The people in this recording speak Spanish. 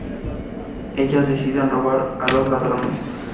Ellas deciden robar a los ladrones.